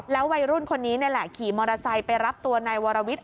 วัยรุ่นคนนี้นี่แหละขี่มอเตอร์ไซค์ไปรับตัวนายวรวิทย